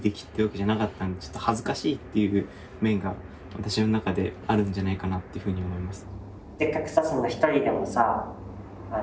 私の中であるんじゃないかなっていうふうに思います。